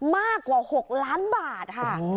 มากกว่า๖ล้านบาทค่ะ